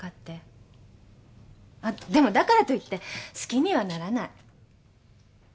でもだからといって好きにはならない。